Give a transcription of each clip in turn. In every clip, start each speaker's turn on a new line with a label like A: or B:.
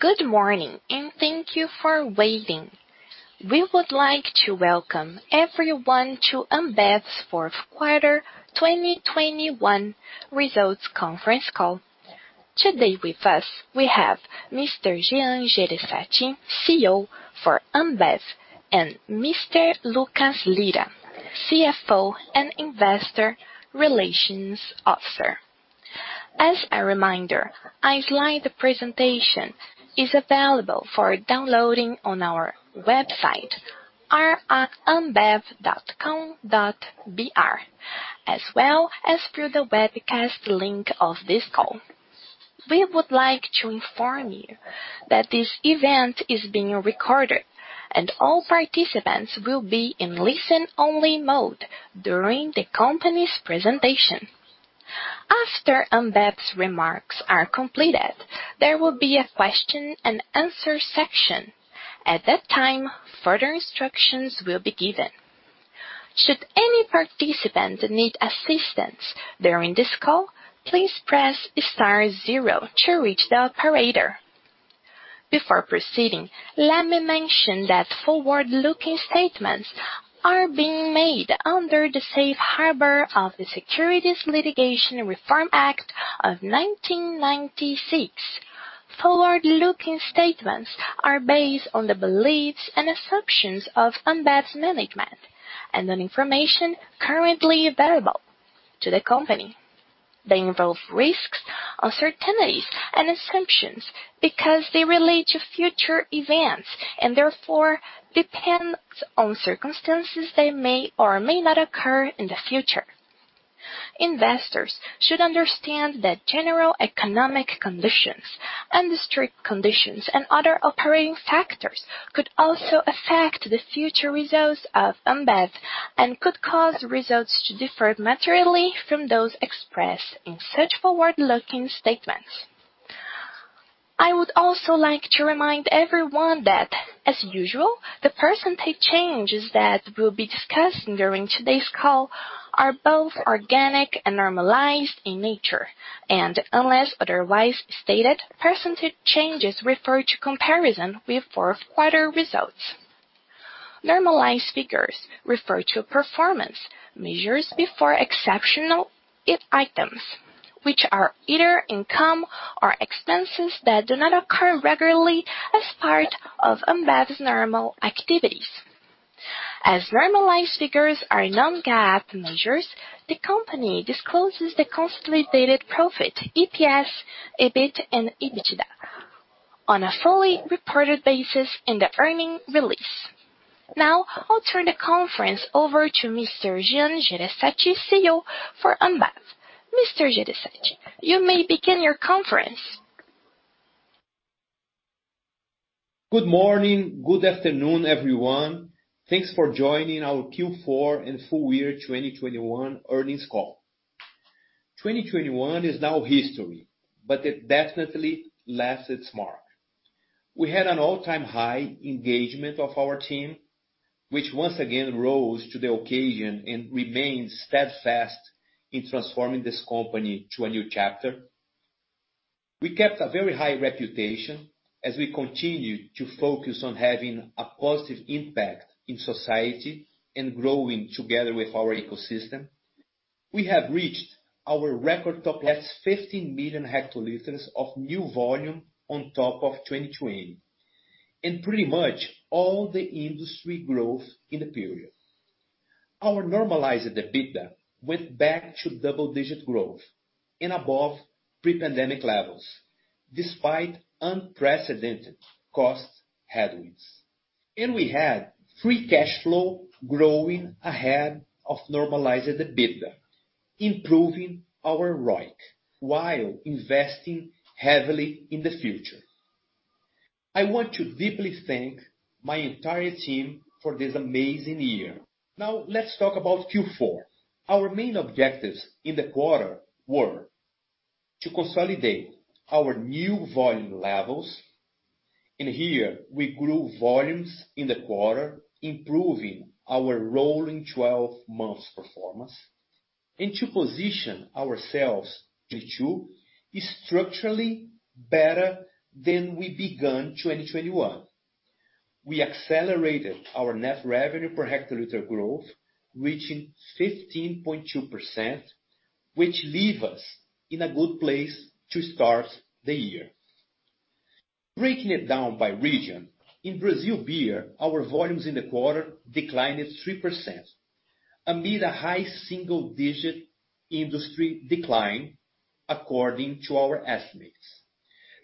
A: Good morning, and thank you for waiting. We would like to welcome everyone to Ambev's fourth quarter 2021 results conference call. Today with us, we have Mr. Jean Jereissati Neto, CEO for Ambev, and Mr. Lucas Lira, CFO and Investor Relations Officer. As a reminder, a slide presentation is available for downloading on our website, ri.ambev.com.br, as well as through the webcast link of this call. We would like to inform you that this event is being recorded and all participants will be in listen-only mode during the company's presentation. After Ambev's remarks are completed, there will be a question and answer section. At that time, further instructions will be given. Should any participant need assistance during this call, please press star zero to reach the operator. Before proceeding, let me mention that forward-looking statements are being made under the safe harbor of the Private Securities Litigation Reform Act of 1995. Forward-looking statements are based on the beliefs and assumptions of Ambev's management and on information currently available to the company. They involve risks, uncertainties, and assumptions because they relate to future events and therefore depend on circumstances that may or may not occur in the future. Investors should understand that general economic conditions, industry conditions, and other operating factors could also affect the future results of Ambev and could cause results to differ materially from those expressed in such forward-looking statements. I would also like to remind everyone that, as usual, the percentage changes that will be discussed during today's call are both organic and normalized in nature. Unless otherwise stated, percentage changes refer to comparison with fourth quarter results. Normalized figures refer to performance measures before exceptional items, which are either income or expenses that do not occur regularly as part of Ambev's normal activities. As normalized figures are non-GAAP measures, the company discloses the consolidated profit, EPS, EBIT, and EBITDA on a fully reported basis in the earnings release. Now, I'll turn the conference over to Mr. Jean Jereissati Neto, CEO for Ambev. Mr. Jereissati, you may begin your conference.
B: Good morning. Good afternoon, everyone. Thanks for joining our Q4 and full year 2021 earnings call. 2021 is now history, but it definitely left its mark. We had an all-time high engagement of our team, which once again rose to the occasion and remained steadfast in transforming this company to a new chapter. We kept a very high reputation as we continued to focus on having a positive impact in society and growing together with our ecosystem. We have reached our record top +15 million hectoliters of new volume on top of 2020, and pretty much all the industry growth in the period. Our normalized EBITDA went back to double-digit growth and above pre-pandemic levels, despite unprecedented cost headwinds. We had free cash flow growing ahead of normalized EBITDA, improving our ROIC while investing heavily in the future. I want to deeply thank my entire team for this amazing year. Now, let's talk about Q4. Our main objectives in the quarter were to consolidate our new volume levels, and here we grew volumes in the quarter, improving our rolling 12 months performance. To position ourselves in 2022 is structurally better than we began 2021. We accelerated our net revenue per hectoliter growth, reaching 15.2%, which leave us in a good place to start the year, breaking it down by region. In Brazil Beer, our volumes in the quarter declined 3% amid a high single-digit industry decline according to our estimates.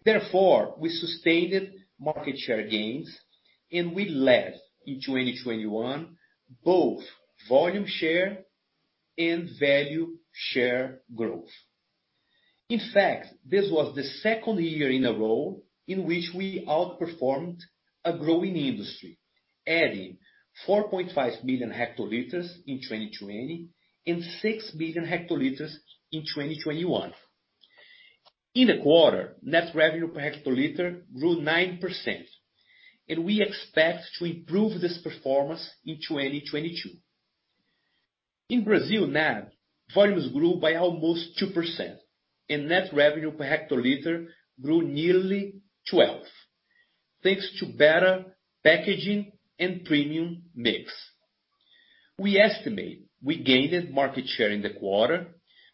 B: Therefore, we sustained market share gains, and we led in 2021 both volume share and value share growth. In fact, this was the second year in a row in which we outperformed a growing industry, adding 4.5 million hectoliters in 2020 and 6 million hectoliters in 2021. In the quarter, net revenue per hectoliter grew 9%, and we expect to improve this performance in 2022. In Brazil now, volumes grew by almost 2% and net revenue per hectoliter grew nearly 12%, thanks to better packaging and premium mix. We estimate we gained market share in the quarter,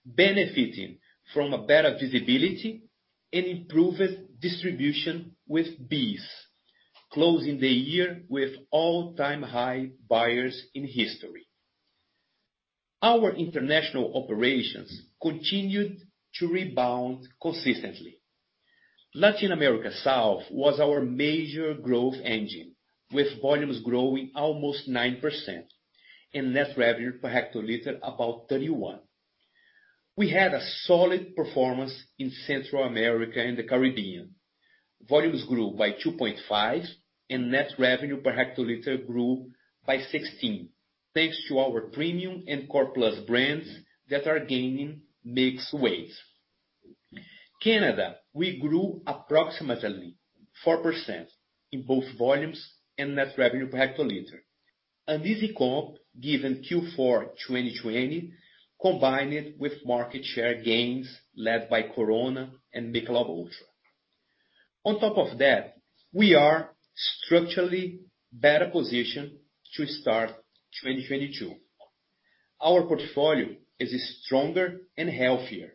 B: benefiting from a better visibility and improved distribution with BEES, closing the year with all-time high buyers in history. Our international operations continued to rebound consistently. Latin America South was our major growth engine, with volumes growing almost 9% and net revenue per hectoliter about 31%. We had a solid performance in Central America and the Caribbean. Volumes grew by 2.5% and net revenue per hectoliter grew by 16%, thanks to our premium and core plus brands that are gaining mix weight. In Canada, we grew approximately 4% in both volumes and net revenue per hectoliter. An easy comp given Q4 2020, combined with market share gains led by Corona and Michelob Ultra. On top of that, we are structurally better positioned to start 2022. Our portfolio is stronger and healthier.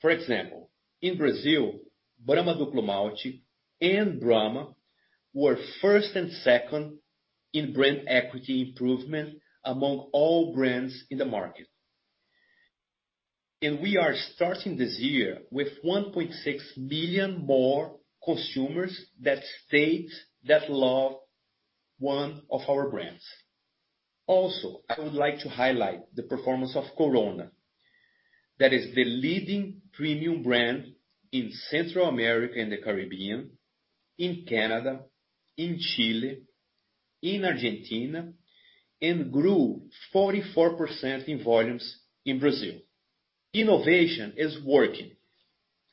B: For example, in Brazil, Brahma Duplo Malte and Brahma were first and second in brand equity improvement among all brands in the market. We are starting this year with 1.6 billion more consumers that state they love one of our brands. Also, I would like to highlight the performance of Corona. That is the leading premium brand in Central America and the Caribbean, in Canada, in Chile, in Argentina, and grew 44% in volumes in Brazil. Innovation is working.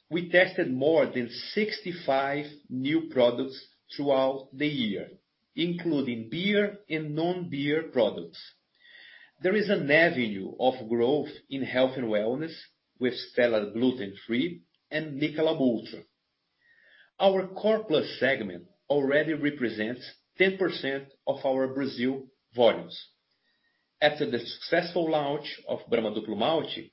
B: We tested more than 65 new products throughout the year, including beer and non-beer products. There is an avenue of growth in health and wellness with Stella Artois Gluten Free and Michelob Ultra. Our core plus segment already represents 10% of our Brazil volumes. After the successful launch of Brahma Duplo Malte,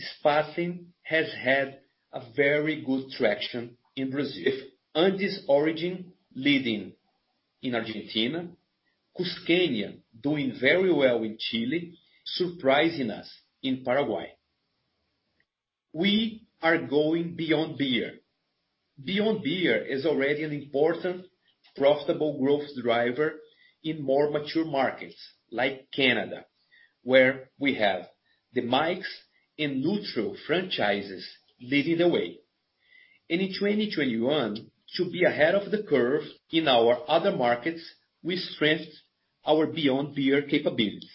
B: Spaten has had a very good traction in Brazil. In Andes Origen leading in Argentina, Cusqueña doing very well in Chile, surprising us in Paraguay. We are going beyond beer. Beyond Beer is already an important, profitable growth driver in more mature markets like Canada, where we have the Mike's and NÜTRL franchises leading the way. In 2021, to be ahead of the curve in our other markets, we strengthened our Beyond Beer capabilities.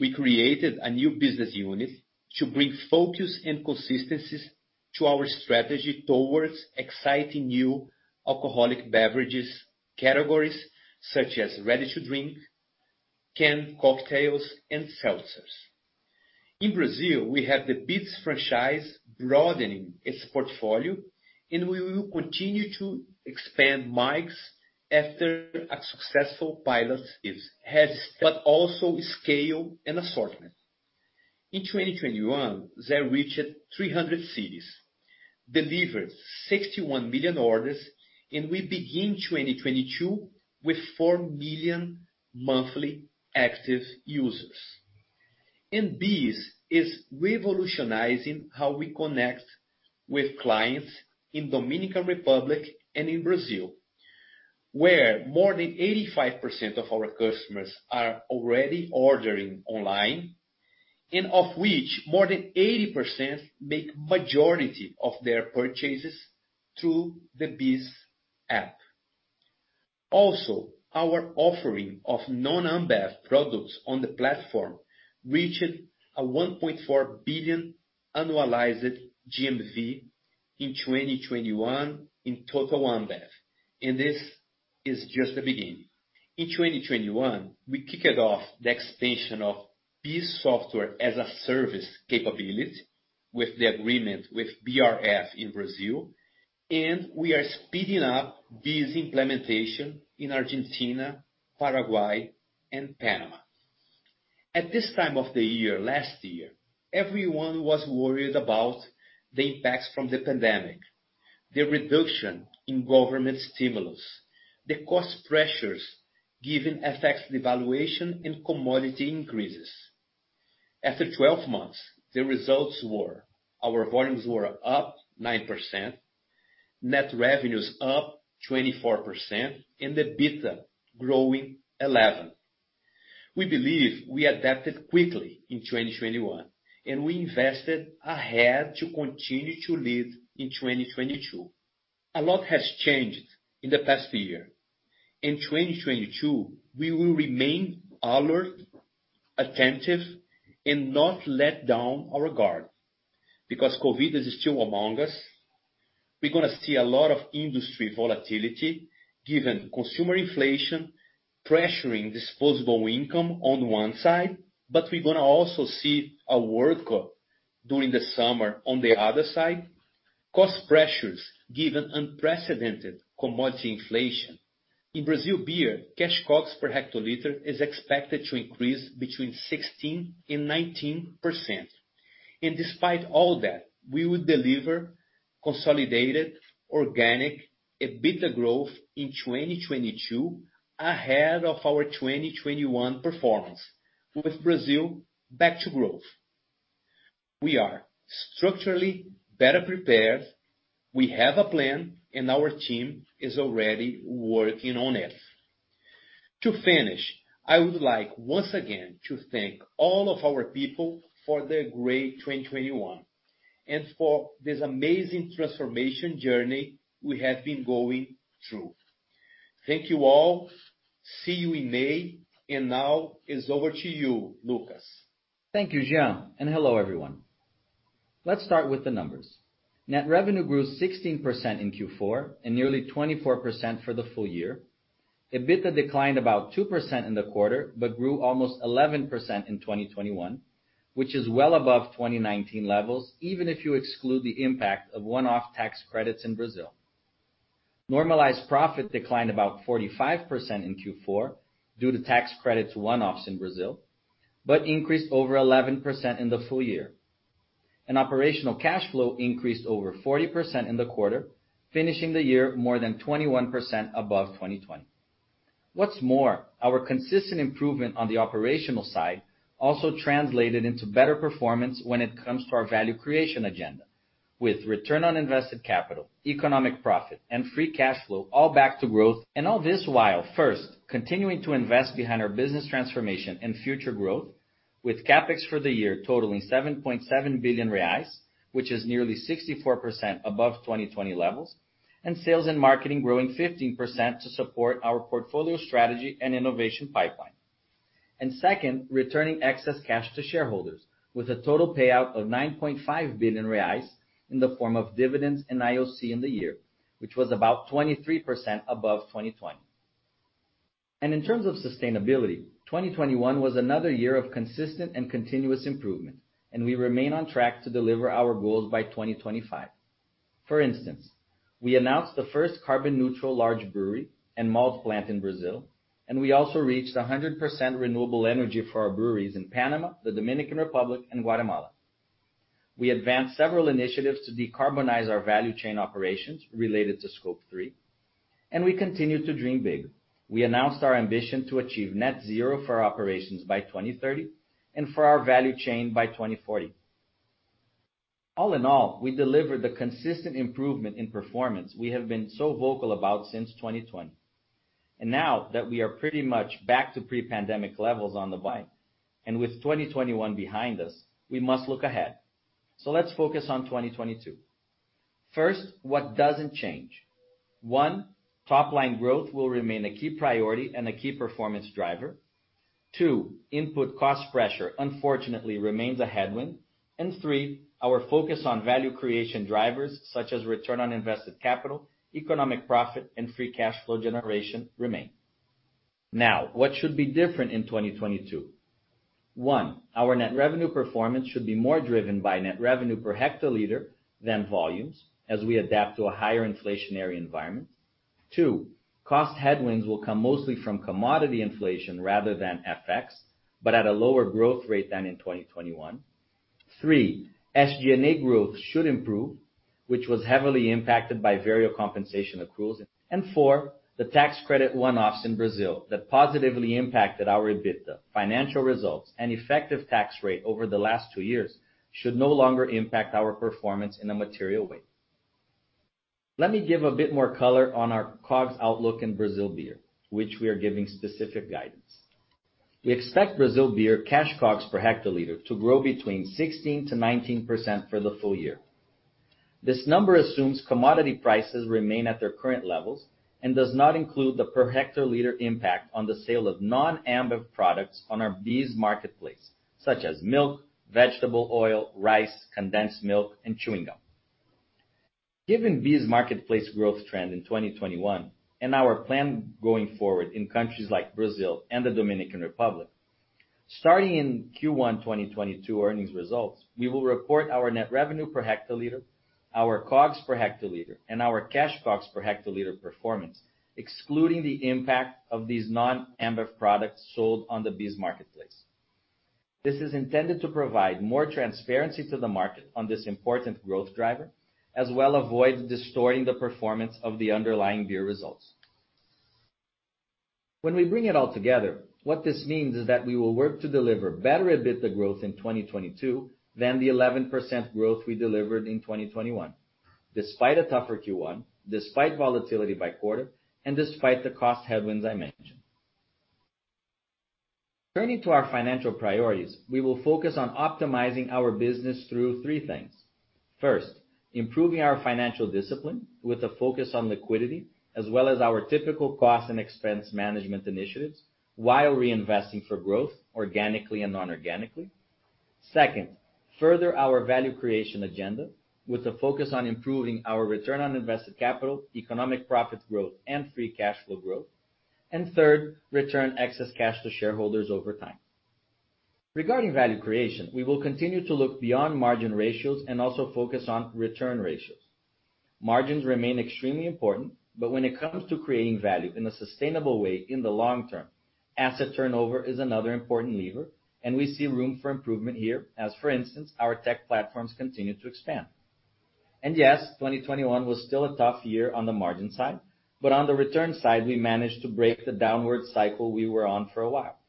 B: We created a new business unit to bring focus and consistencies to our strategy towards exciting new alcoholic beverages categories, such as ready-to-drink, canned cocktails, and seltzers. In Brazil, we have the Beats franchise broadening its portfolio, and we will continue to expand Mike's after a successful pilot is had, but also scale and assortment. In 2021, Zé reached 300 cities, delivered 61 million orders, and we begin 2022 with 4 million monthly active users. BEES is revolutionizing how we connect with clients in Dominican Republic and in Brazil, where more than 85% of our customers are already ordering online, and of which more than 80% make majority of their purchases through the BEES app. Our offering of non-Ambev products on the platform reached 1.4 billion annualized GMV in 2021 in total Ambev, and this is just the beginning. In 2021, we kicked off the expansion of BEES software as a service capability with the agreement with BRF in Brazil, and we are speeding up this implementation in Argentina, Paraguay, and Panama. At this time of the year, last year everyone was worried about the impacts from the pandemic, the reduction in government stimulus, the cost pressures giving FX devaluation and commodity increases. After 12 months, the results were. Our volumes were up 9%, net revenues up 24% and the EBITDA growing 11%. We believe we adapted quickly in 2021, and we invested ahead to continue to lead in 2022. A lot has changed in the past year. In 2022, we will remain alert, attentive, and not let down our guard, because COVID is still among us. We're gonna see a lot of industry volatility given consumer inflation pressuring disposable income on one side, but we're gonna also see a World Cup during the summer on the other side. Cost pressures given unprecedented commodity inflation. In Brazil beer, cash COGS per hectoliter is expected to increase between 16% and 19%. Despite all that, we will deliver consolidated organic EBITDA growth in 2022 ahead of our 2021 performance, with Brazil back to growth. We are structurally better prepared. We have a plan, and our team is already working on it. To finish, I would like, once again, to thank all of our people for their great 2021, and for this amazing transformation journey we have been going through. Thank you all. See you in May. Now, it's over to you, Lucas.
C: Thank you, Jean, and hello, everyone. Let's start with the numbers. Net revenue grew 16% in Q4 and nearly 24% for the full year. EBITDA declined about 2% in the quarter but grew almost 11% in 2021, which is well above 2019 levels, even if you exclude the impact of one-off tax credits in Brazil. Normalized profit declined about 45% in Q4 due to tax credits one-offs in Brazil, but increased over 11% in the full year. Operational cash flow increased over 40% in the quarter, finishing the year more than 21% above 2020. What's more, our consistent improvement on the operational side also translated into better performance when it comes to our value creation agenda, with return on invested capital, economic profit, and free cash flow all back to growth. All this while, first, continuing to invest behind our business transformation and future growth, with CapEx for the year totaling 7.7 billion reais, which is nearly 64% above 2020 levels, and sales and marketing growing 15% to support our portfolio strategy and innovation pipeline. Second, returning excess cash to shareholders with a total payout of 9.5 billion reais in the form of dividends and IOC in the year, which was about 23% above 2020. In terms of sustainability, 2021 was another year of consistent and continuous improvement, and we remain on track to deliver our goals by 2025. For instance, we announced the first carbon neutral large brewery and malt plant in Brazil, and we also reached 100% renewable energy for our breweries in Panama, the Dominican Republic and Guatemala. We advanced several initiatives to decarbonize our value chain operations related to Scope 3, and we continue to dream big. We announced our ambition to achieve net zero for our operations by 2030 and for our value chain by 2040. All in all, we delivered the consistent improvement in performance we have been so vocal about since 2020. Now that we are pretty much back to pre-pandemic levels on the volumes, and with 2021 behind us, we must look ahead. Let's focus on 2022. First, what doesn't change. One, top line growth will remain a key priority and a key performance driver. Two, input cost pressure, unfortunately, remains a headwind. Three, our focus on value creation drivers such as return on invested capital, economic profit, and free cash flow generation remain. Now, what should be different in 2022? One, our net revenue performance should be more driven by net revenue per hectoliter than volumes as we adapt to a higher inflationary environment. Two, cost headwinds will come mostly from commodity inflation rather than FX, but at a lower growth rate than in 2021. Three, SG&A growth should improve, which was heavily impacted by variable compensation accruals. Four, the tax credit one-offs in Brazil that positively impacted our EBITDA, financial results, and effective tax rate over the last two years should no longer impact our performance in a material way. Let me give a bit more color on our COGS outlook in Brazil beer, which we are giving specific guidance. We expect Brazil beer cash COGS per hectoliter to grow between 16%-19% for the full year. This number assumes commodity prices remain at their current levels and does not include the per hectoliter impact on the sale of non-Ambev products on our BEES marketplace, such as milk, vegetable oil, rice, condensed milk, and chewing gum. Given BEES marketplace growth trend in 2021 and our plan going forward in countries like Brazil and the Dominican Republic, starting in Q1 2022 earnings results, we will report our net revenue per hectoliter, our COGS per hectoliter, and our cash COGS per hectoliter performance, excluding the impact of these non-Ambev products sold on the BEES marketplace. This is intended to provide more transparency to the market on this important growth driver, as well avoid distorting the performance of the underlying beer results. When we bring it all together, what this means is that we will work to deliver better EBITDA growth in 2022 than the 11% growth we delivered in 2021, despite a tougher Q1, despite volatility by quarter, and despite the cost headwinds I mentioned. Turning to our financial priorities, we will focus on optimizing our business through three things. First, improving our financial discipline with a focus on liquidity, as well as our typical cost and expense management initiatives, while reinvesting for growth organically and non-organically.
B: Second, further our value creation agenda with a focus on improving our return on invested capital, economic profit growth and free cash flow growth. Third, return excess cash to shareholders over time. Regarding value creation, we will continue to look beyond margin ratios and also focus on return ratios. Margins remain extremely important, but when it comes to creating value in a sustainable way in the long term, asset turnover is another important lever, and we see room for improvement here as, for instance, our tech platforms continue to expand. Yes, 2021 was still a tough year on the margin side, but on the return side, we managed to break the downward cycle we were on for a while.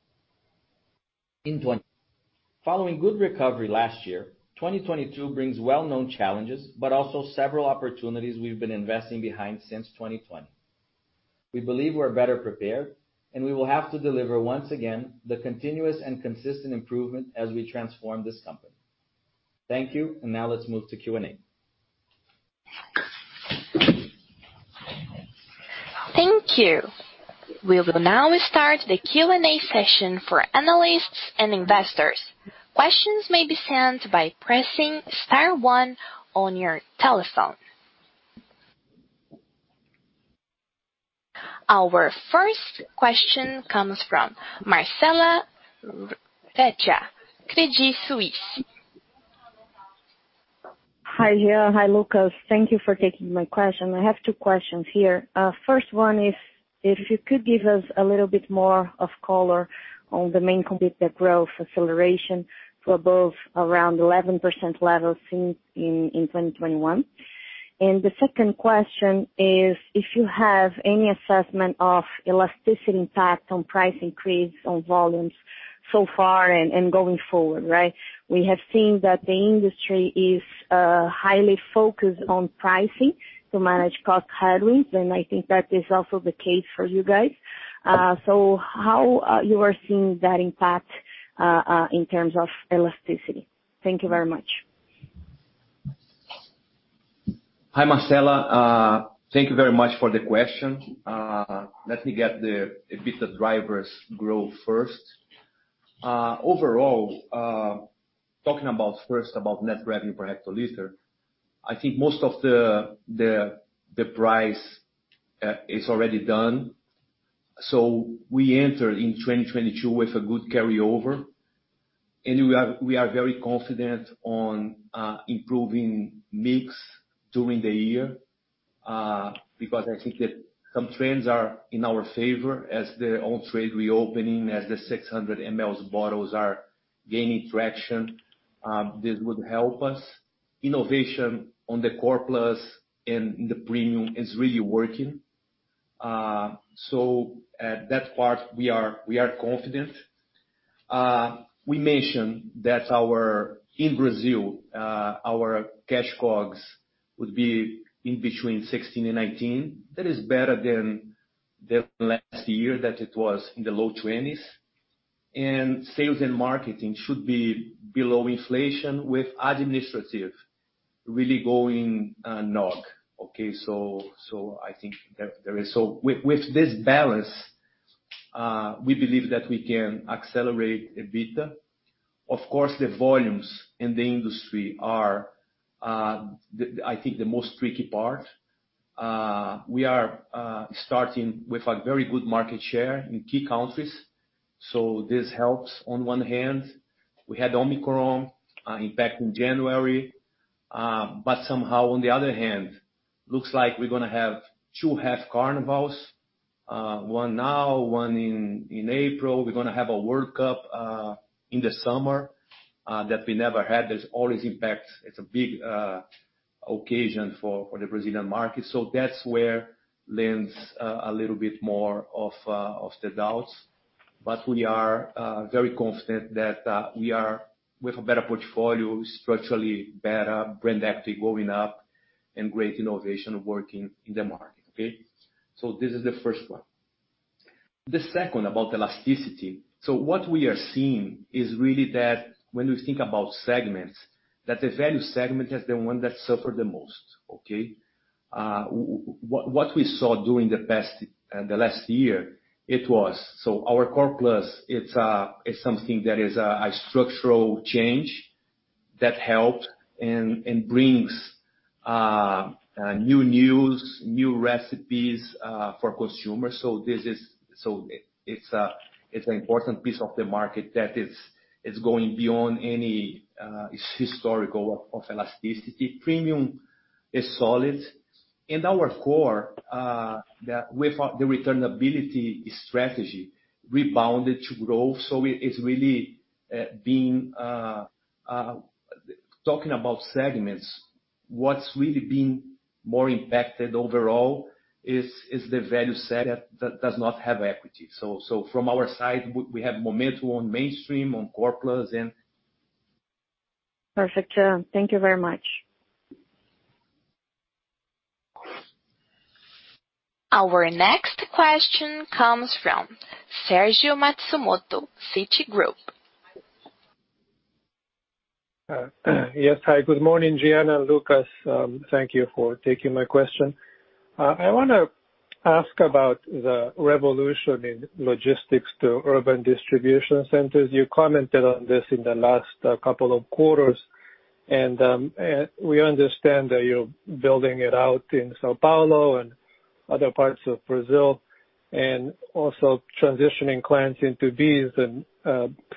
B: Following good recovery last year, 2022 brings well-known challenges but also several opportunities we've been investing behind since 2020. We believe we're better prepared, and we will have to deliver once again the continuous and consistent improvement as we transform this company. Thank you. Now let's move to Q&A.
A: Thank you. We will now start the Q&A session for analysts and investors. Questions may be sent by pressing star one on your telephone. Our first question comes from Marcella Recchia, Credit Suisse.
D: Hi, Gian. Hi, Lucas. Thank you for taking my question. I have two questions here. First one is, if you could give us a little bit more color on the main complete growth acceleration for Ambev around 11% level seen in 2021. The second question is if you have any assessment of elasticity impact on price increase on volumes so far and going forward, right? We have seen that the industry is highly focused on pricing to manage cost headwinds, and I think that is also the case for you guys. So how you are seeing that impact in terms of elasticity? Thank you very much.
B: Hi, Marcella. Thank you very much for the question. Let me get a bit of drivers growth first. Overall, talking about net revenue per hectoliter, I think most of the price is already done. So we enter in 2022 with a good carryover. We are very confident on improving mix during the year because I think that some trends are in our favor as the on-trade reopening, as the 600mL bottles are gaining traction, this would help us. Innovation on the core plus and the premium is really working. So at that part we are confident. We mentioned that in Brazil, our cash COGS would be in between 16%-19%. That is better than the last year that it was in the low 20s. Sales and marketing should be below inflation with administrative really going, NOC. Okay. I think that there is. With this balance, we believe that we can accelerate a bit. Of course, the volumes in the industry are, I think, the most tricky part. We are starting with a very good market share in key countries, so this helps on one hand. We had Omicron impact in January, but somehow, on the other hand, looks like we're gonna have two half carnivals, one now, one in April. We're gonna have a World Cup in the summer that we never had. There's always impact. It's a big occasion for the Brazilian market. That's where lies a little bit more of the doubts. We are very confident that we are with a better portfolio, structurally better brand equity going up and great innovation working in the market. Okay. This is the first one. The second about elasticity. What we are seeing is really that when we think about segments, that the value segment is the one that suffered the most, okay. What we saw during the past, the last year, it was our core plus. It's something that is a structural change that helped and brings newness, new recipes for consumers. It's an important piece of the market that is going beyond any historical elasticity. Premium is solid. Our core, that with the returnable strategy rebounded to growth. It's really being. Talking about segments, what's really been more impacted overall is the value set that does not have equity. From our side, we have momentum on mainstream, on core plus and...
D: Perfect. Thank you very much.
A: Our next question comes from Sergio Matsumoto, Citigroup.
E: Yes. Hi. Good morning, Gian and Lucas. Thank you for taking my question. I want to ask about the revolution in logistics to urban distribution centers. You commented on this in the last couple of quarters, and we understand that you're building it out in São Paulo and other parts of Brazil, and also transitioning clients into these and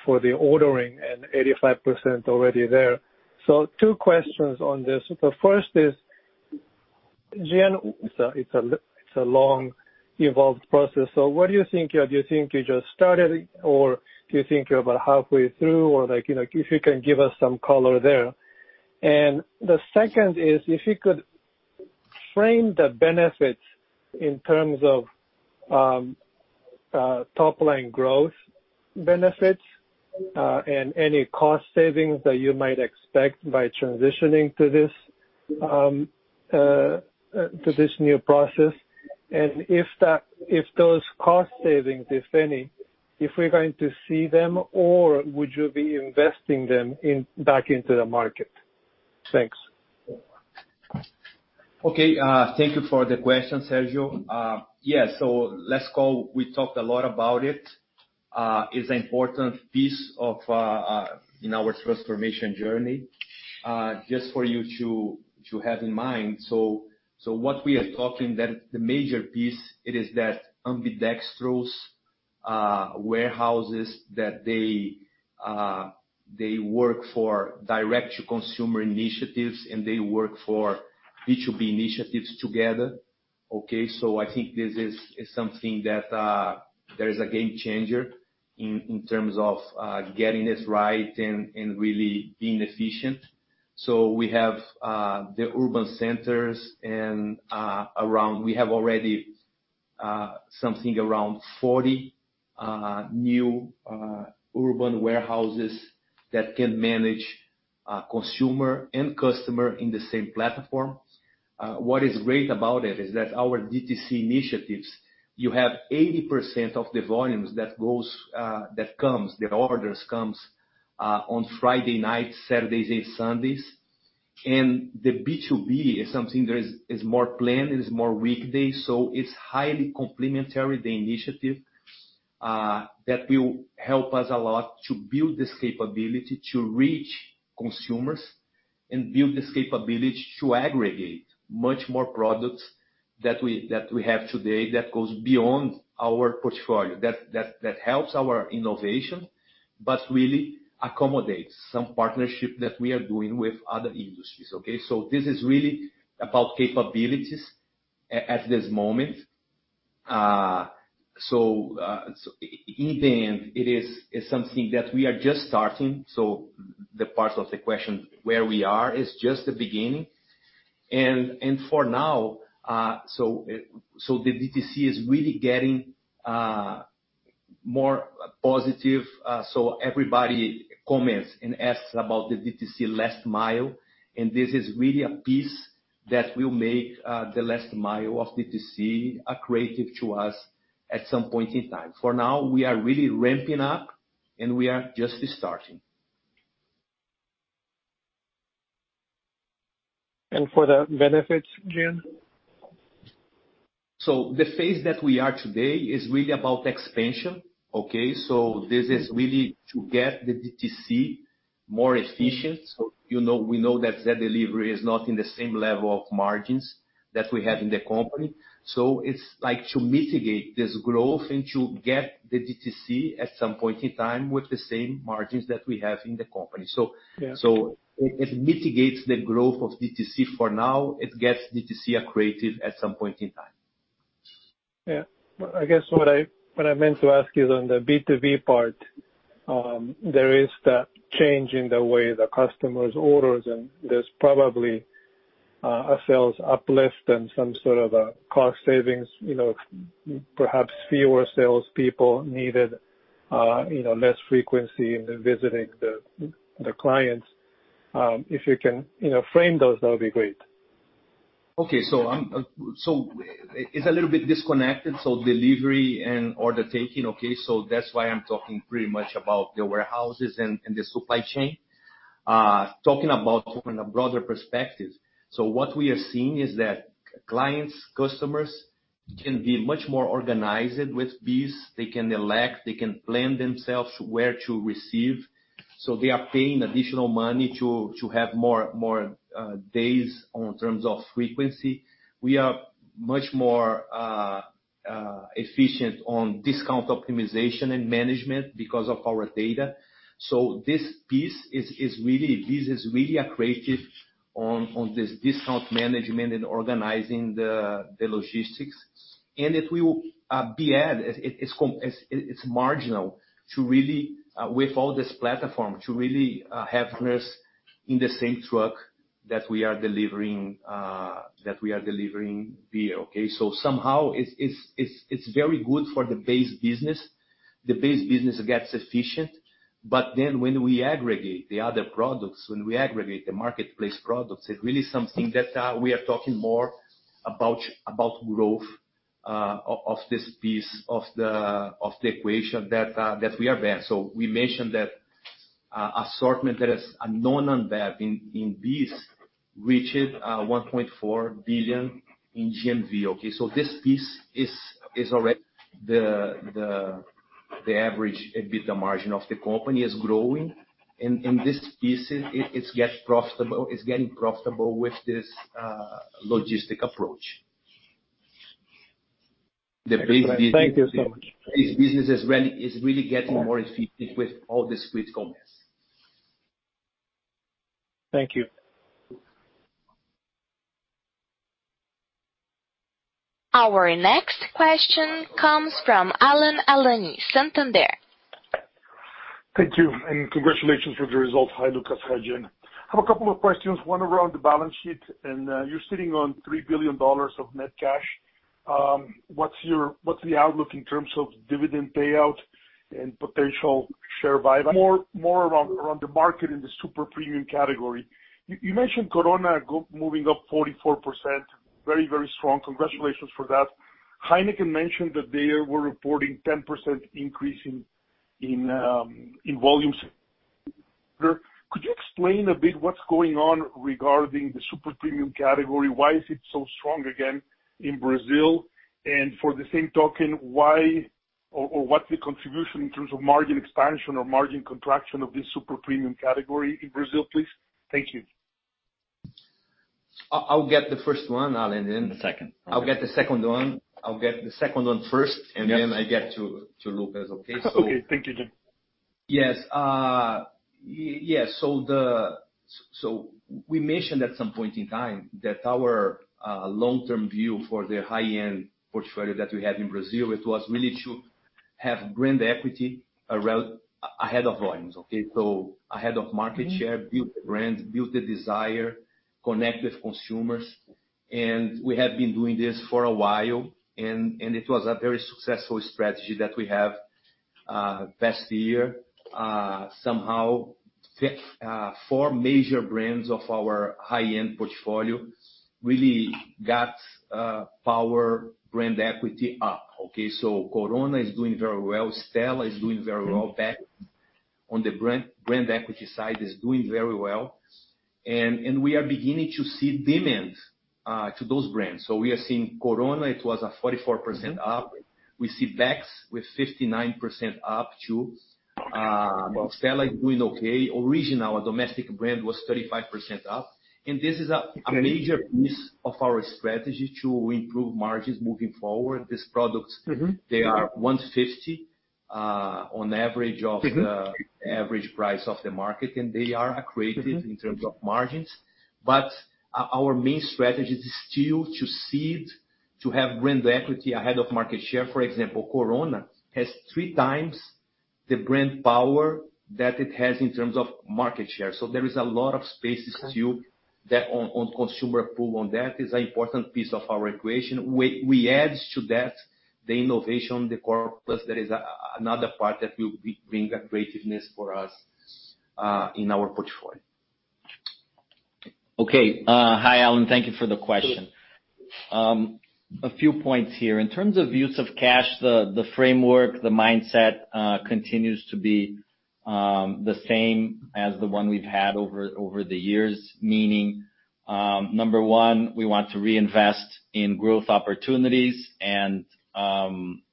E: for the ordering and 85% already there. Two questions on this. The first is, Gian, so it's a long involved process. What do you think? Do you think you just started or do you think you're about halfway through? Or like, you know, if you can give us some color there. The second is if you could frame the benefits in terms of top line growth benefits and any cost savings that you might expect by transitioning to this new process. If those cost savings, if any, if we're going to see them or would you be investing them back into the market? Thanks.
B: Okay, thank you for the question, Sergio. Let's go. We talked a lot about it. It's an important piece of in our transformation journey, just for you to have in mind. What we are talking that the major piece it is that ambidextrous warehouses that they they work for direct to consumer initiatives, and they work for B2B initiatives together. Okay. I think this is something that there is a game changer in terms of getting this right and really being efficient. We have the urban centers and around we have already something around 40 new urban warehouses that can manage consumer and customer in the same platform. What is great about it is that our DTC initiatives, you have 80% of the volumes, the orders come on Friday nights, Saturdays and Sundays. The B2B is something that is more planned. It is more weekdays. It's highly complementary, the initiative, that will help us a lot to build this capability to reach consumers and build this capability to aggregate much more products that we have today that goes beyond our portfolio that helps our innovation, but really accommodates some partnership that we are doing with other industries. Okay. This is really about capabilities at this moment. Even it is something that we are just starting. The part of the question where we are is just the beginning and for now the DTC is really getting more positive. Everybody comments and asks about the DTC last mile, and this is really a piece that will make the last mile of DTC accretive to us at some point in time. For now, we are really ramping up and we are just starting.
E: For the benefits, Jean.
B: The phase that we are today is really about expansion. Okay. This is really to get the DTC more efficient. You know, we know that delivery is not in the same level of margins that we have in the company. It's like to mitigate this growth and to get the DTC at some point in time with the same margins that we have in the company. It mitigates the growth of DTC for now. It gets DTC accretive at some point in time.
E: I guess what I meant to ask is on the B2B part, there is that change in the way the customers orders, and there's probably a sales uplift and some sort of a cost savings, you know, perhaps fewer salespeople needed, you know, less frequency in visiting the clients. If you can, you know, frame those, that would be great.
B: It's a little bit disconnected. Delivery and order taking, okay. That's why I'm talking pretty much about the warehouses and the supply chain from a broader perspective. What we are seeing is that clients, customers can be much more organized with these. They can elect, they can plan themselves where to receive. They are paying additional money to have more days on terms of frequency. We are much more efficient on discount optimization and management because of our data. This piece is really accretive on this discount management and organizing the logistics. It will be added. It's com... It's marginal, too, really with all this platform to really have this in the same truck that we are delivering beer. Okay. Somehow it's very good for the base business. The base business gets efficient. Then when we aggregate the other products, when we aggregate the marketplace products, it's really something that we are talking more about growth of this piece of the equation that we are there. We mentioned that assortment that is now on BEES in this it reached 1.4 billion in GMV, okay? This piece is already lifting the average EBITDA margin of the company. This piece is getting profitable with this logistic approach. The base business
E: Thank you so much.
B: This business is really getting more efficient with all this critical mass.
E: Thank you.
A: Our next question comes from Alan Alanis, Santander.
F: Thank you, and congratulations for the results. Hi, Lucas. Hi, Jean. I have a couple of questions, one around the balance sheet. You're sitting on $3 billion of net cash. What's the outlook in terms of dividend payout and potential share buyback? More around the market in the super premium category. You mentioned Corona moving up 44% very, very strong. Congratulations for that. Heineken mentioned that they were reporting 10% increase in volumes. Could you explain a bit what's going on regarding the super premium category? Why is it so strong again in Brazil? For the same token, what's the contribution in terms of margin expansion or margin contraction of this super premium category in Brazil, please? Thank you.
B: I'll get the first one, Alan, and
C: the second.
B: I'll get the second one first, and then I get to Lucas. Okay?
F: Okay. Thank you, Jean.
B: Yes. We mentioned at some point in time that our long-term view for the high-end portfolio that we have in Brazil, it was really to have brand equity ahead of volumes, okay? Ahead of market share, build the brand, build the desire, connect with consumers. We have been doing this for a while, and it was a very successful strategy that we have in the past year. Somehow, four major brands of our high-end portfolio really got our brand equity up, okay? Corona is doing very well. Stella is doing very well. Beck's, on the brand equity side, is doing very well. We are beginning to see demand for those brands. We are seeing Corona, it was at 44% up. We see Beck's with 59% up too. Stella is doing okay. Original, our domestic brand, was 35% up. This is a major piece of our strategy to improve margins moving forward. These products they are 150, on average of the Above-average price of the market, and they are accretive in terms of margins. Our main strategy is still to seed, to have brand equity ahead of market share. For example, Corona has 3 times the brand power that it has in terms of market share. There is a lot of space still, on consumer pull on that. It's an important piece of our equation. We add to that the innovation, the core plus. That is another part that will bring accretiveness for us in our portfolio.
C: Okay. Hi, Alan Alanis. Thank you for the question. A few points here. In terms of use of cash, the framework, the mindset continues to be the same as the one we've had over the years. Meaning, number one, we want to reinvest in growth opportunities.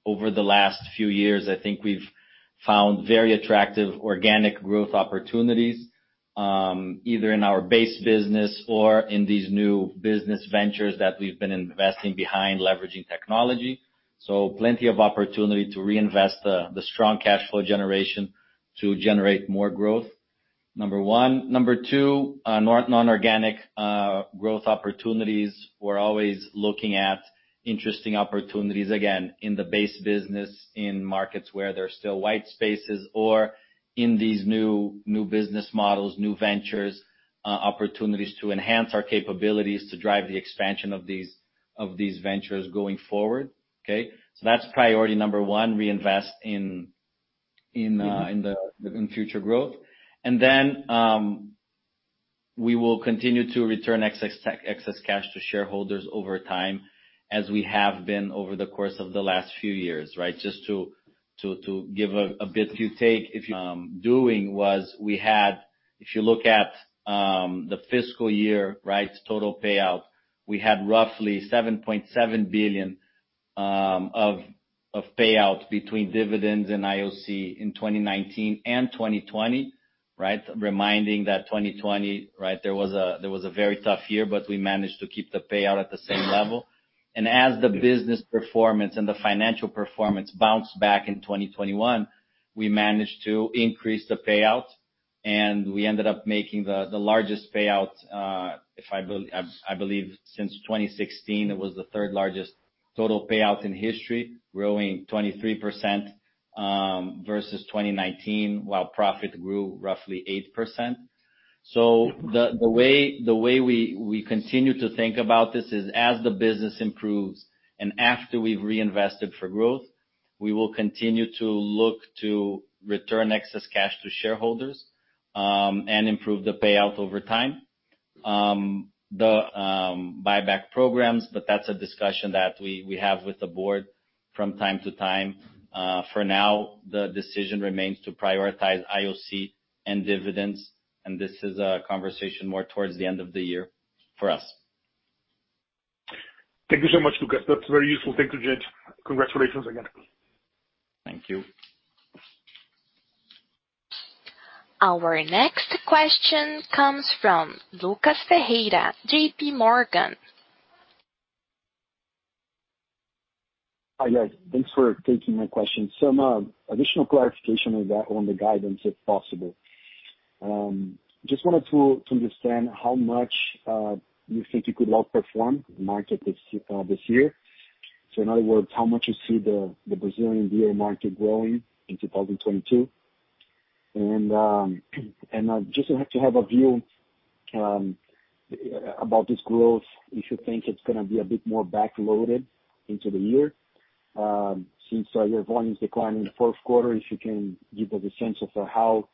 C: Over the last few years, I think we've found very attractive organic growth opportunities, either in our base business or in these new business ventures that we've been investing behind leveraging technology. Plenty of opportunity to reinvest the strong cash flow generation to generate more growth, number one. Number two, non-organic growth opportunities. We're always looking at interesting opportunities, again, in the base business, in markets where there's still white spaces or in these new business models, new ventures, opportunities to enhance our capabilities to drive the expansion of these ventures going forward, okay. That's priority number one, reinvest in future growth. We will continue to return excess cash to shareholders over time, as we have been over the course of the last few years, right. Just to give a bit of context, if you look at the fiscal year, right, total payout, we had roughly 7.7 billion of payouts between dividends and IOC in 2019 and 2020, right. Reminding that 2020, right, there was a very tough year, but we managed to keep the payout at the same level. As the business performance and the financial performance bounced back in 2021, we managed to increase the payout. We ended up making the largest payout, if I believe since 2016. It was the third-largest total payout in history, growing 23%, versus 2019, while profit grew roughly 8%. The way we continue to think about this is as the business improves and after we've reinvested for growth, we will continue to look to return excess cash to shareholders, and improve the payout over time.
B: The buyback programs. That's a discussion that we have with the board from time to time. For now, the decision remains to prioritize IOC and dividends, and this is a conversation more towards the end of the year for us.
F: Thank you so much, Lucas. That's very useful. Thank you, Jed. Congratulations again.
B: Thank you.
A: Our next question comes from Lucas Ferreira, J.P. Morgan.
G: Hi, guys. Thanks for taking my question. Some additional clarification on that, on the guidance, if possible. Just wanted to understand how much you think you could outperform the market this year. In other words, how much you see the Brazilian beer market growing in 2022. Just to have a view about this growth, if you think it's gonna be a bit more backloaded into the year, since your volume is declining in the fourth quarter. If you can give us a sense of how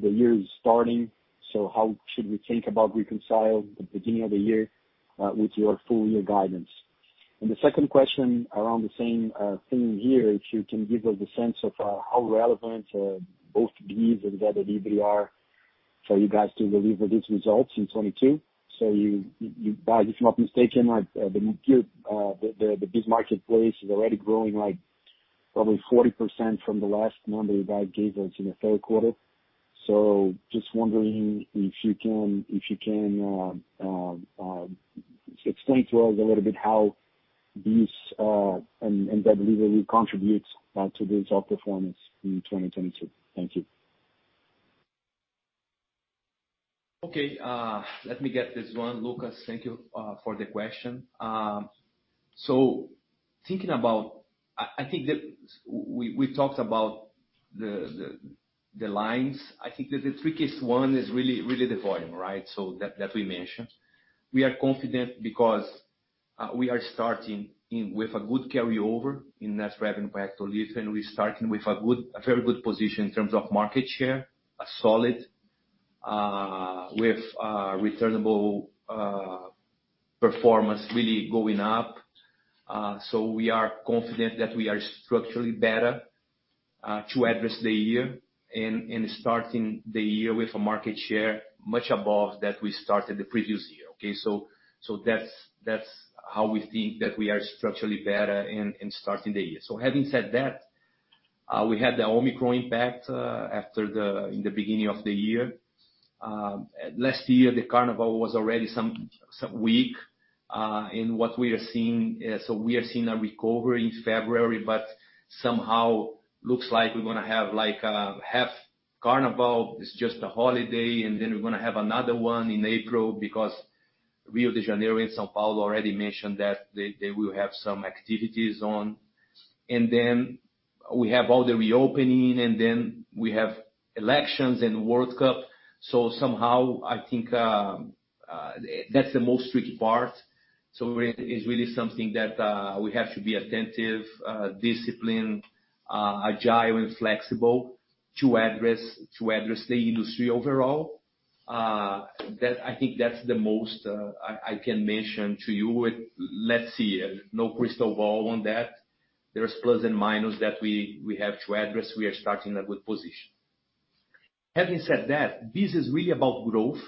G: the year is starting, so how should we think about reconciling the beginning of the year with your full year guidance. The second question around the same theme here. If you can give us a sense of how relevant both BEES and Zé Delivery are for you guys to deliver these results in 2022. You guys, if I'm not mistaken, like, the market, the BEES Marketplace is already growing like probably 40% from the last number you guys gave us in the third quarter. Just wondering if you can explain to us a little bit how BEES and Zé Delivery contributes to the result performance in 2022. Thank you.
B: Okay, let me get this one. Lucas, thank you for the question. Thinking about, I think that we talked about the lines. I think that the trickiest one is really the volume, right? That we mentioned. We are confident because we are starting with a good carryover in net revenue per hectoliter, and we're starting with a very good position in terms of market share, a solid returnable performance really going up. We are confident that we are structurally better to address the year and starting the year with a market share much above that we started the previous year. Okay. That's how we think that we are structurally better in starting the year. Having said that, we had the Omicron impact in the beginning of the year. Last year, the Carnival was already somewhat weak in what we are seeing. We are seeing a recovery in February, but somehow it looks like we're gonna have half Carnival is just a holiday, and then we're gonna have another one in April because Rio de Janeiro and São Paulo already mentioned that they will have some activities on. Then we have all the reopening, and then we have elections and World Cup. Somehow I think that's the most tricky part. It is really something that we have to be attentive, disciplined, agile and flexible to address the industry overall. I think that's the most I can mention to you. No crystal ball on that. There are pluses and minuses that we have to address. We are starting from a good position. Having said that, BEES is really about growth.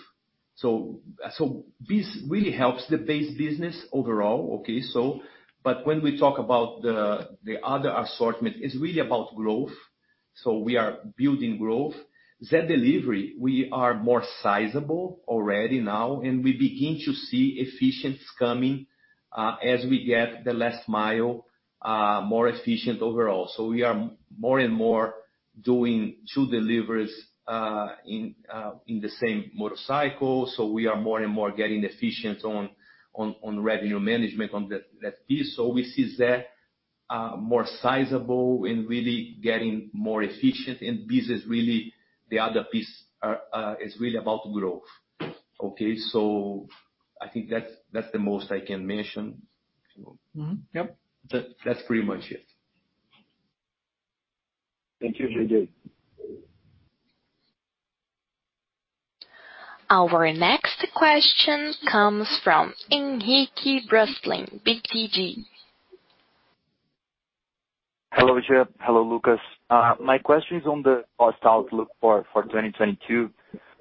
B: BEES really helps the base business overall. When we talk about the other assortment, it's really about growth. We are building growth. Zé Delivery, we are more sizable already now, and we begin to see efficiencies coming as we get the last mile more efficient overall. We are more and more doing two deliveries in the same motorcycle. We are more and more getting efficient on revenue management on that piece. We see Zé Delivery more sizable and really getting more efficient. Biz is really the other piece about growth. Okay, I think that's the most I can mention.
F: Yep.
B: That's pretty much it.
G: Thank you.
B: Thank you.
A: Our next question comes from Henrique Brustolin, BTG.
H: Hello, Jean Jereissati Neto. Hello, Lucas Lira. My question is on the cost outlook for 2022.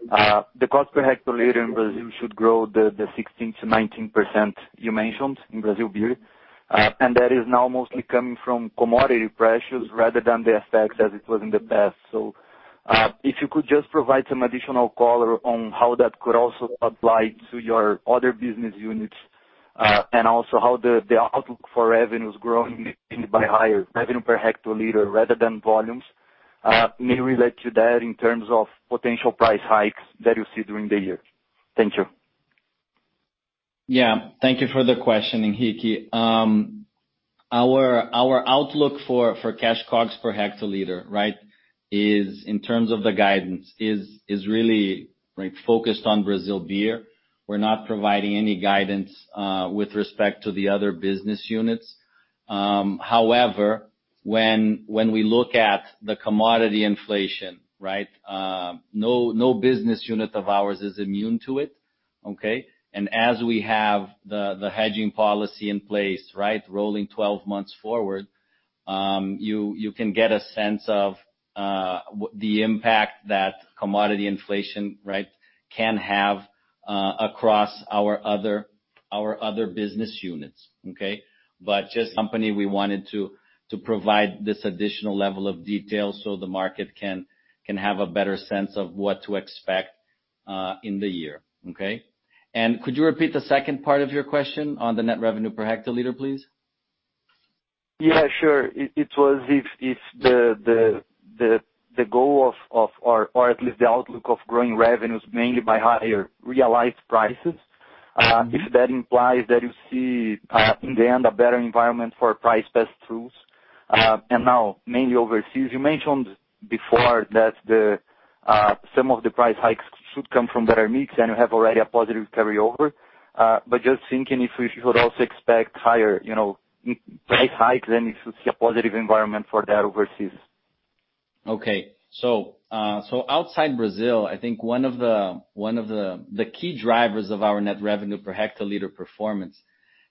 H: The cost per hectoliter in Brazil should grow the 16%-19% you mentioned in Brazil Beer. That is now mostly coming from commodity pressures rather than the effects as it was in the past. If you could just provide some additional color on how that could also apply to your other business units. Also how the outlook for revenues growing by higher revenue per hectoliter rather than volumes may relate to that in terms of potential price hikes that you see during the year. Thank you.
B: Thank you for the question, Henrique. Our outlook for cash COGS per hectoliter, right, is in terms of the guidance is really like focused on Brazil Beer. We're not providing any guidance with respect to the other business units.
C: However, when we look at the commodity inflation, right, no business unit of ours is immune to it, okay? As we have the hedging policy in place, right, rolling 12 months forward, you can get a sense of the impact that commodity inflation, right, can have across our other business units. Okay? As the company, we wanted to provide this additional level of detail so the market can have a better sense of what to expect in the year. Okay? Could you repeat the second part of your question on the net revenue per hectoliter, please?
B: Sure. If the goal, or at least the outlook, of growing revenues mainly by higher realized prices, if that implies that you see in the end a better environment for price pass-throughs, and now mainly overseas? You mentioned before that some of the price hikes should come from better mix and you have already a positive carryover. Just thinking if we should also expect higher, you know, mix price hike than if you see a positive environment for that overseas?
C: Okay. Outside Brazil, I think one of the key drivers of our net revenue per hectoliter performance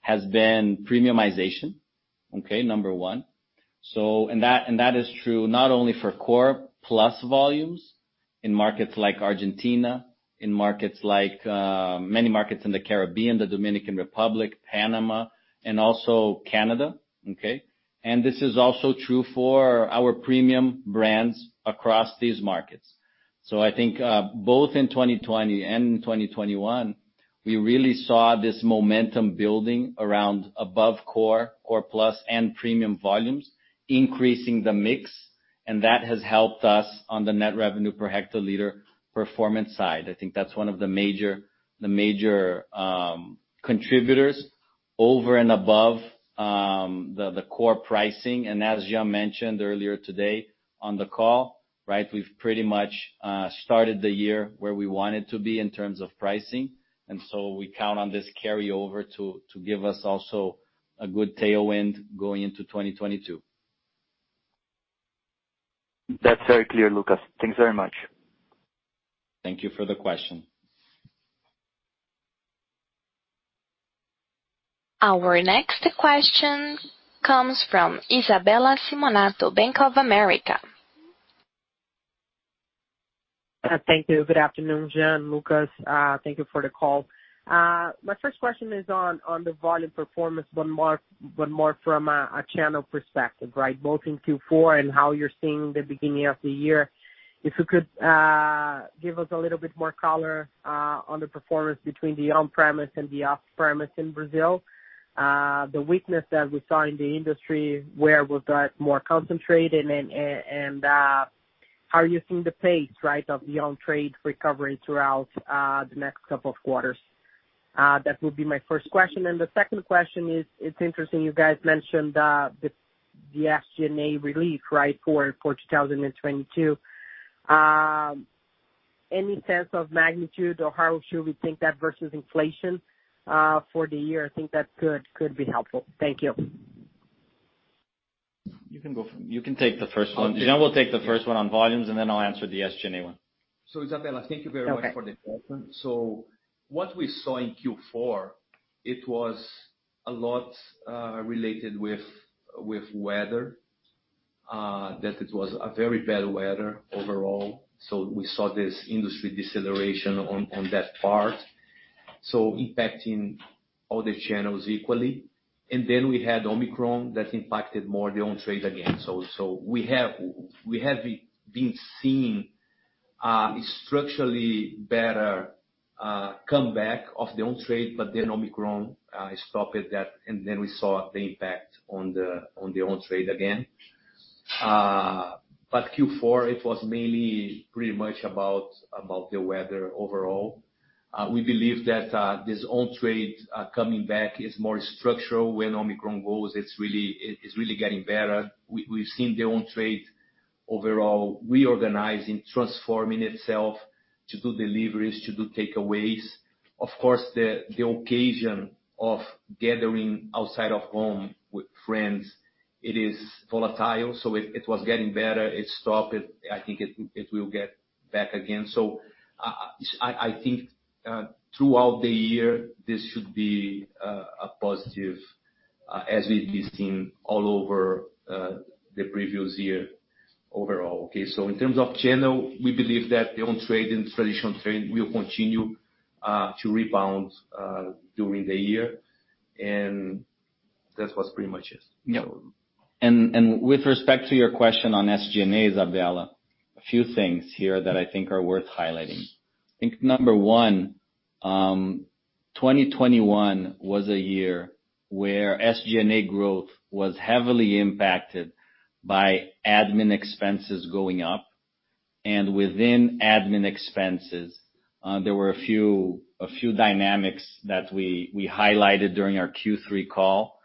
C: has been premiumization. Okay? Number one. That is true not only for core plus volumes in markets like Argentina, many markets in the Caribbean, the Dominican Republic, Panama, and also Canada, okay? This is also true for our premium brands across these markets. I think both in 2020 and in 2021, we really saw this momentum building around above core plus and premium volumes, increasing the mix, and that has helped us on the net revenue per hectoliter performance side. I think that's one of the major contributors over and above the core pricing. As Gian mentioned earlier today on the call, right, we've pretty much started the year where we wanted to be in terms of pricing, and so we count on this carryover to give us also a good tailwind going into 2022.
B: That's very clear, Lucas. Thanks very much.
C: Thank you for the question.
A: Our next question comes from Isabella Simonato, Bank of America.
I: Thank you. Good afternoon, Jean Jereissati Neto, Lucas Lira. Thank you for the call. My first question is on the volume performance, but more from a channel perspective, right? Both in Q4 and how you're seeing the beginning of the year. If you could give us a little bit more color on the performance between the on-premise and the off-premise in Brazil. The weakness that we saw in the industry, where was that more concentrated and how are you seeing the pace, right, of the on-trade recovery throughout the next couple of quarters? That would be my first question. The second question is, it's interesting you guys mentioned the SG&A relief, right, for 2022. Any sense of magnitude or how should we think that versus inflation for the year? I think that could be helpful. Thank you.
C: You can take the first one.
B: Okay.
C: Gian will take the first one on volumes, and then I'll answer the SG&A one.
B: Isabella Simonato, thank you very much.
I: Okay.
B: For the question. What we saw in Q4, it was a lot related with weather that it was a very bad weather overall. We saw this industry deceleration on that part, so impacting all the channels equally. We had Omicron that impacted more the on-trade again. We have been seeing a structurally better comeback of the on-trade, but then Omicron stopped that, and then we saw the impact on the on-trade again. Q4 was mainly pretty much about the weather overall. We believe that this on-trade coming back is more structural. When Omicron goes, it's really getting better. We've seen the on-trade overall reorganizing, transforming itself to do deliveries, to do takeaways. Of course, the occasion of gathering outside of home with friends, it is volatile, so it was getting better. It stopped. I think it will get back again. I think throughout the year, this should be a positive, as we've been seeing all over the previous year overall. Okay. In terms of channel, we believe that the on-trade and traditional trade will continue to rebound during the year. That was pretty much it.
C: With respect to your question on SG&A, Isabella, a few things here that I think are worth highlighting. I think number one, 2021 was a year where SG&A growth was heavily impacted by admin expenses going up. Within admin expenses, there were a few dynamics that we highlighted during our Q3 call.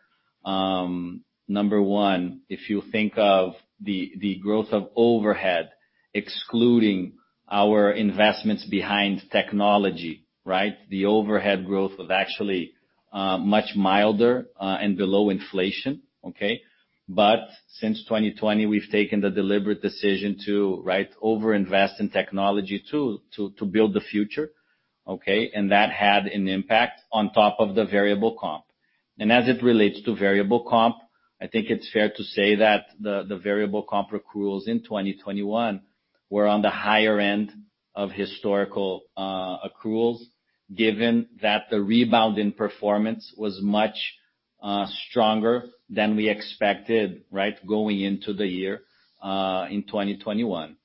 C: Number one, if you think of the growth of overhead excluding our investments in technology, right? The overhead growth was actually much milder and below inflation, okay? Since 2020, we've taken the deliberate decision to over-invest in technology to build the future, okay? That had an impact on top of the variable comp. As it relates to variable comp, I think it's fair to say that the variable comp accruals in 2021 were on the higher end of historical accruals, given that the rebound in performance was much stronger than we expected, right, going into the year in 2021.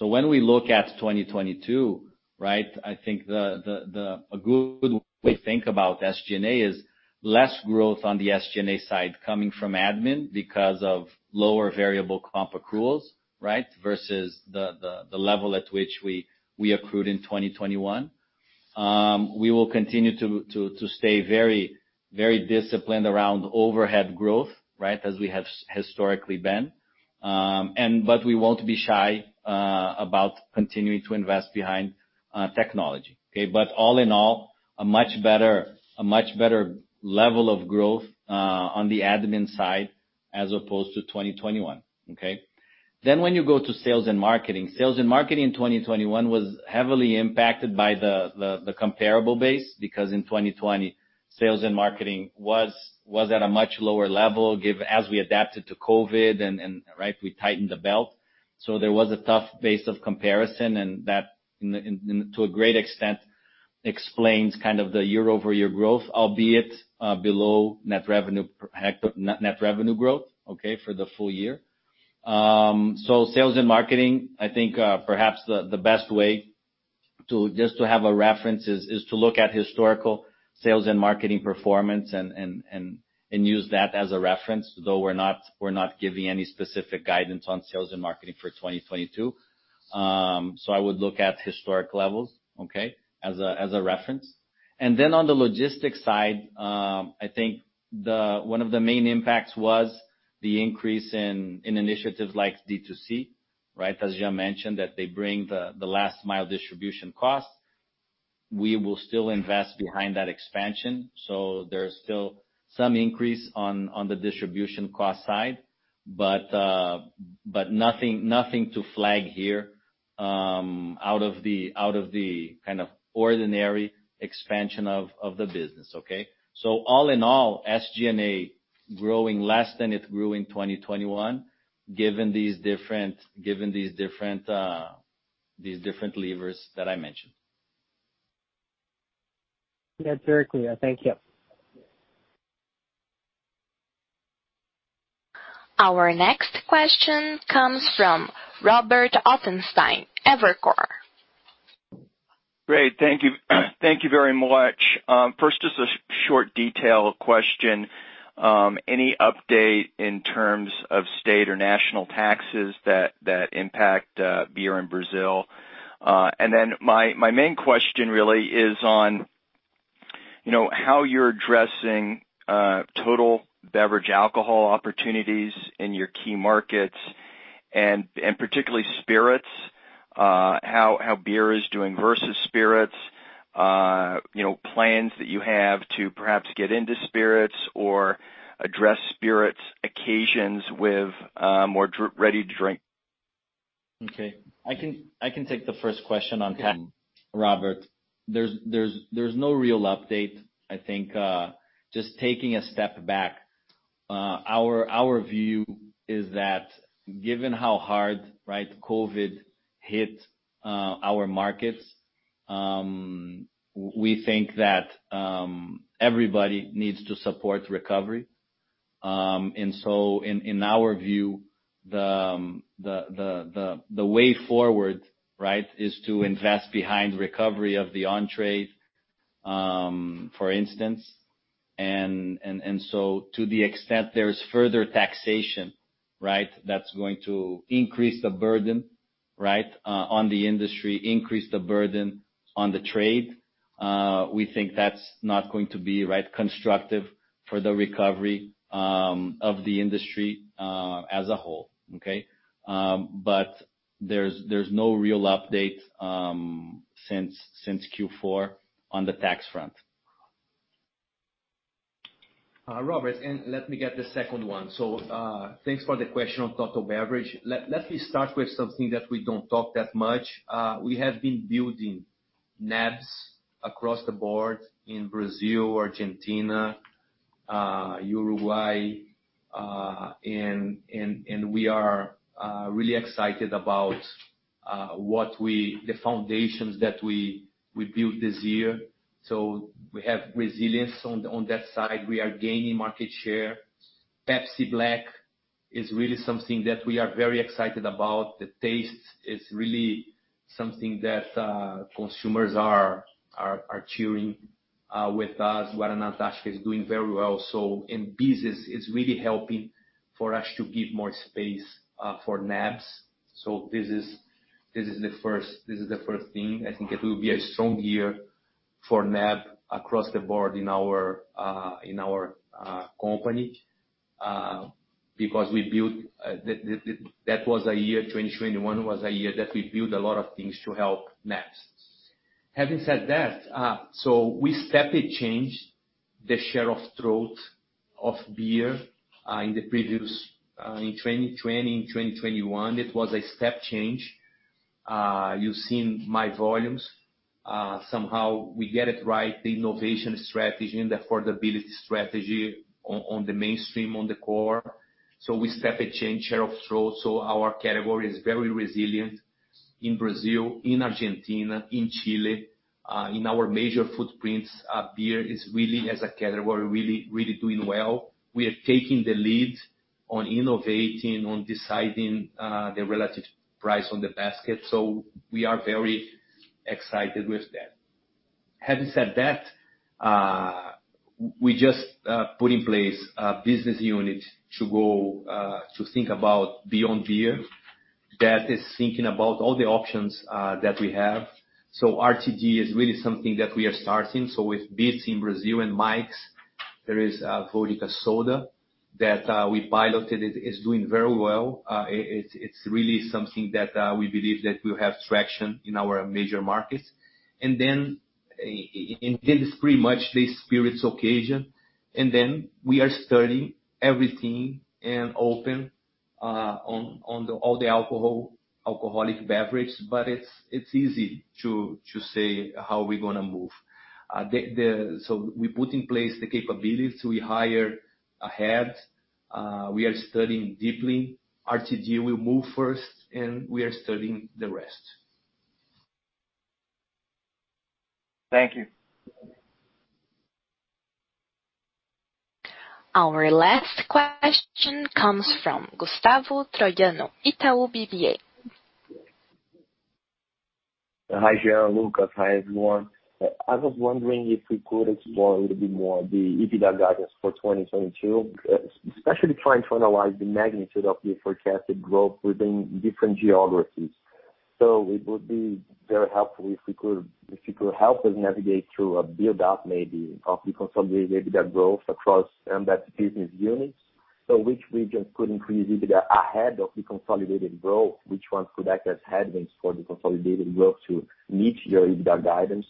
C: When we look at 2022, right, I think a good way to think about SG&A is less growth on the SG&A side coming from admin because of lower variable comp accruals, right, versus the level at which we accrued in 2021. We will continue to stay very disciplined around overhead growth, right, as we have historically been. But we won't be shy about continuing to invest behind technology, okay? All in all, a much better level of growth on the admin side as opposed to 2021, okay? When you go to sales and marketing, sales and marketing in 2021 was heavily impacted by the comparable base, because in 2020, sales and marketing was at a much lower level as we adapted to COVID, we tightened the belt. There was a tough base of comparison, and that to a great extent explains kind of the year-over-year growth, albeit below net revenue growth, okay, for the full year. Sales and marketing, I think, perhaps the best way to... Just to have a reference is to look at historical sales and marketing performance and use that as a reference, though we're not giving any specific guidance on sales and marketing for 2022. I would look at historic levels, okay? As a reference. Then on the logistics side, I think one of the main impacts was the increase in initiatives like D2C, right? As Jean mentioned, that they bring the last mile distribution costs. We will still invest behind that expansion, so there's still some increase on the distribution cost side. Nothing to flag here, out of the kind of ordinary expansion of the business, okay? All in all, SG&A growing less than it grew in 2021, given these different levers that I mentioned.
I: It's very clear. Thank you.
A: Our next question comes from Robert Ottenstein, Evercore.
J: Great. Thank you. Thank you very much. First, just a short detail question. Any update in terms of state or national taxes that impact beer in Brazil? And then my main question really is on, you know, how you're addressing total beverage alcohol opportunities in your key markets and particularly spirits, how beer is doing versus spirits, you know, plans that you have to perhaps get into spirits or address spirits occasions with more ready-to-drink.
C: Okay. I can take the first question on that, Robert. There's no real update. I think just taking a step back, our view is that given how hard, right, COVID hit, our markets, we think that everybody needs to support recovery. In our view, the way forward, right, is to invest behind recovery of the on-trade, for instance. To the extent there is further taxation, right, that's going to increase the burden, right, on the industry, increase the burden on the trade, we think that's not going to be, right, constructive for the recovery of the industry as a whole, okay. There's no real update since Q4 on the tax front.
B: Robert, let me get the second one. Thanks for the question on total beverage. Let me start with something that we don't talk that much. We have been building NABs across the board in Brazil, Argentina, Uruguay, and we are really excited about the foundations that we built this year. We have resilience on that side. We are gaining market share. Pepsi Black is really something that we are very excited about. The taste is really something that consumers are cheering with us. Guaraná Antarctica is doing very well. Beers is really helping for us to give more space for NABs. This is the first thing. I think it will be a strong year for NAB across the board in our company, because 2021 was a year that we built a lot of things to help NAB. Having said that, we step changed the share of throat of beer in the previous, in 2020. In 2021, it was a step change. You've seen my volumes. Somehow we get it right, the innovation strategy and the affordability strategy on the mainstream, on the core. We step changed share of throat, so our category is very resilient in Brazil, in Argentina, in Chile, in our major footprints. Beer is really, as a category, doing well. We are taking the lead on innovating, on deciding, the relative price on the basket, so we are very excited with that. Having said that, we just put in place a business unit to go, to think about Beyond Beer that is thinking about all the options, that we have. RTD is really something that we are starting. With Beats in Brazil and Mike's, there is vodka soda that we piloted. It is doing very well. It's really something that we believe that will have traction in our major markets. This is pretty much the spirits occasion. We are studying everything and open, on all the alcoholic beverage. But it's easy to say how we're gonna move. We put in place the capabilities, we hire ahead. We are studying deeply. RTD will move first, and we are studying the rest. Thank you.
A: Our last question comes from Gustavo Troyano, Itaú BBA.
K: Hi, Gian, Lucas. Hi, everyone. I was wondering if we could explore a little bit more the EBITDA guidance for 2022, especially trying to analyze the magnitude of the forecasted growth within different geographies. It would be very helpful if you could help us navigate through a build up maybe of the consolidated EBITDA growth across Ambev's business units. Which regions could increase EBITDA ahead of the consolidated growth? Which ones could act as headwinds for the consolidated growth to meet your EBITDA guidance?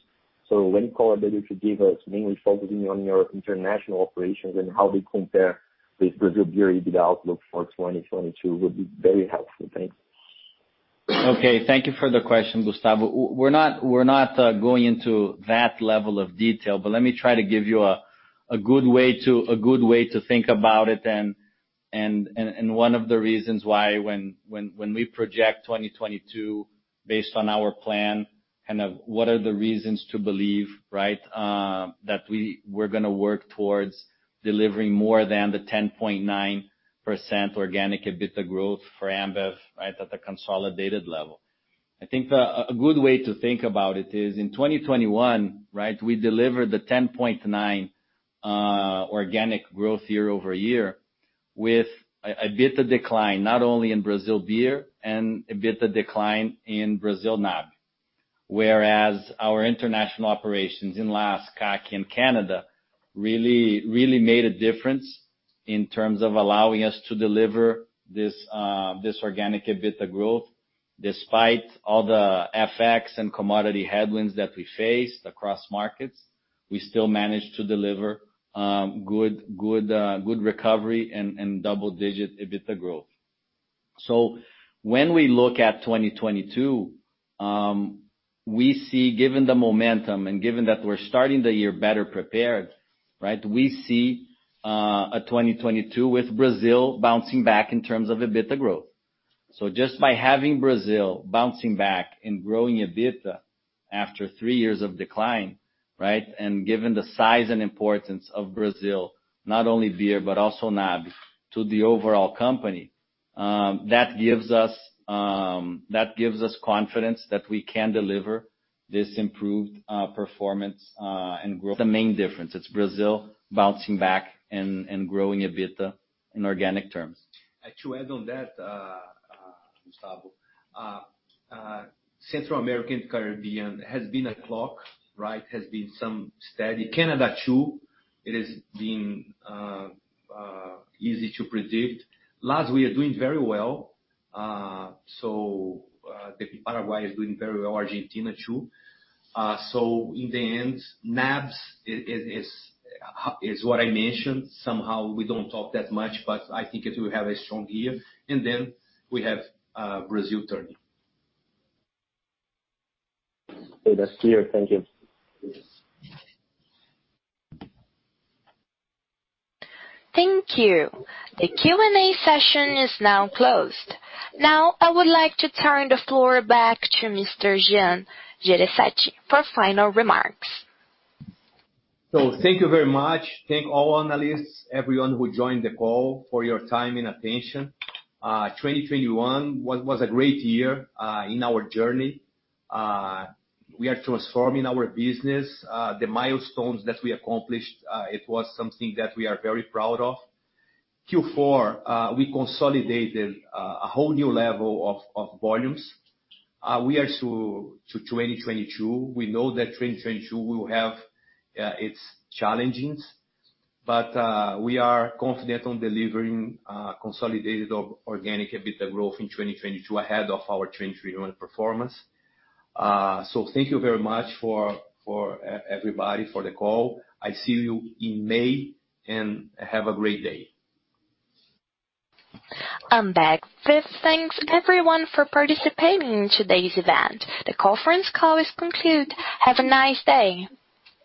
K: Any color that you could give us, mainly focusing on your international operations and how they compare with Brazil beer EBITDA outlook for 2022 would be very helpful. Thanks.
B: Okay, thank you for the question, Gustavo. We're not going into that level of detail, but let me try to give you a good way to think about it and one of the reasons why when we project 2022 based on our plan, kind of what are the reasons to believe, right? That we're gonna work towards delivering more than the 10.9% organic EBITDA growth for Ambev, right, at the consolidated level. I think a good way to think about it is in 2021, right, we delivered the 10.9% organic growth year-over-year with an EBITDA decline, not only in Brazil beer and EBITDA decline in Brazil NAB. Whereas our international operations in LAS, CAC and Canada really made a difference in terms of allowing us to deliver this organic EBITDA growth. Despite all the FX and commodity headwinds that we faced across markets, we still managed to deliver good recovery and double digit EBITDA growth. When we look at 2022, we see, given the momentum and given that we're starting the year better prepared, right? We see a 2022 with Brazil bouncing back in terms of EBITDA growth. Just by having Brazil bouncing back and growing EBITDA after three years of decline, right? Given the size and importance of Brazil, not only beer, but also NAB to the overall company, that gives us confidence that we can deliver this improved performance and growth. The main difference, it's Brazil bouncing back and growing EBITDA in organic terms. To add to that, Gustavo, Central America and Caribbean has been a lock, right? It has been somewhat steady. Canada too, it has been easy to predict. LAS, we are doing very well. Paraguay is doing very well, Argentina too. In the end, NABs is what I mentioned. Somehow we don't talk that much, but I think it will have a strong year, and then we have Brazil turning.
K: Okay. That's clear. Thank you.
A: Thank you. The Q&A session is now closed. Now I would like to turn the floor back to Mr. Jean Jereissati Neto for final remarks.
B: Thank you very much. Thank all analysts, everyone who joined the call for your time and attention. 2021 was a great year in our journey. We are transforming our business. The milestones that we accomplished, it was something that we are very proud of. Q4, we consolidated a whole new level of volumes. We are through to 2022. We know that 2022 will have its challenges, but we are confident on delivering consolidated or organic EBITDA growth in 2022 ahead of our 2021 performance. Thank you very much for everybody for the call. I see you in May, and have a great day.
A: Ambev thanks everyone for participating in today's event. The conference call is concluded. Have a nice day.